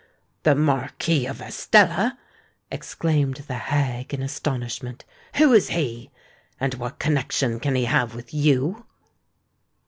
"The Marquis of Estella!" exclaimed the hag, in astonishment: "who is he? and what connexion can he have with you?"